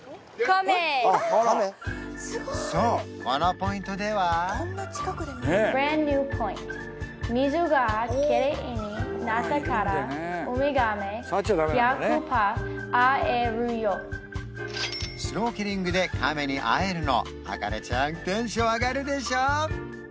そうこのポイントではシュノーケリングでカメに会えるのあかねちゃんテンション上がるでしょ？